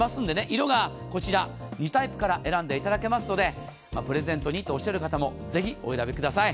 色がこちら、２タイプから選んでいただけますのでプレゼントにとおっしゃる方もぜひ、お選びください。